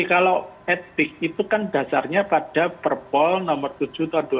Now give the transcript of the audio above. kalau etik itu kan dasarnya pada perpol nomor tujuh tahun dua ribu dua